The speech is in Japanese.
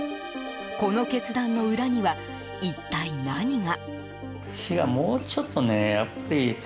この決断の裏には一体何が。